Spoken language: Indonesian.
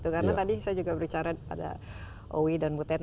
karena tadi saya juga berbicara pada owi dan buten